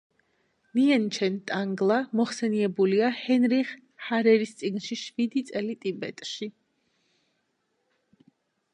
ნიენჩენ-ტანგლა მოხსენიებულია ჰენრიხ ჰარერის წიგნში „შვიდი წელი ტიბეტში“.